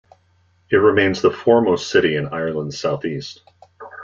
It remains the foremost city in Ireland's south-east.